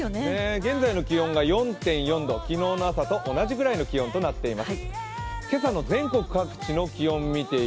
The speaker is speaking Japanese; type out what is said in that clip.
現在の気温が４．４度、昨日の朝と同じぐらいの気温になっています。